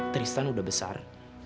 tristan udah besar